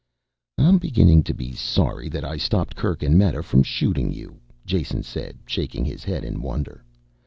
"I'm beginning to be sorry that I stopped Kerk and Meta from shooting you," Jason said, shaking his head in wonder.